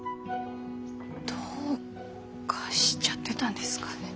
どうかしちゃってたんですかね？